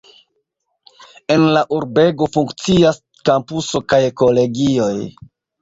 En la urbego funkcias kampuso kaj kolegioj.